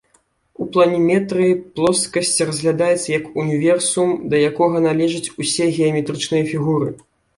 У планіметрыі плоскасць разглядаецца як універсум, да якога належаць усе геаметрычныя фігуры.